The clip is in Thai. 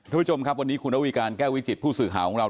ทุกผู้ชมครับวันนี้คุณระวีการแก้ววิจิตผู้สื่อข่าวของเรา